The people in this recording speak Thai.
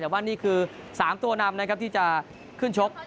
แต่ว่านี่คือ๓ตัวนำนะครับที่จะขึ้นชก